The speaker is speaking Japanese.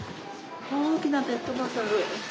大きなペットボトル。